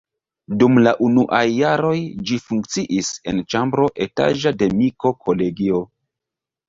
Dum la unuaj jaroj ĝi funkciis en ĉambro etaĝa de Miko-kolegio.